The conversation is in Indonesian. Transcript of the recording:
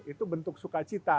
itu bentuk sukacita